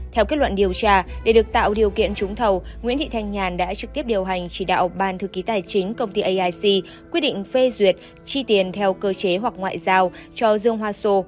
theo kết luận điều tra để được tạo điều kiện trúng thầu nguyễn thị thanh nhàn đã trực tiếp điều hành chỉ đạo ban thư ký tài chính công ty aic quyết định phê duyệt chi tiền theo cơ chế hoặc ngoại giao cho dương hoa sô